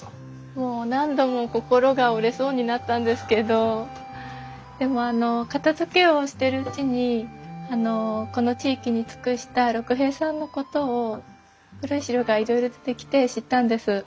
もう何度も心が折れそうになったんですけどでも片づけをしてるうちにこの地域に尽くした六平さんのことを古い資料がいろいろ出てきて知ったんです。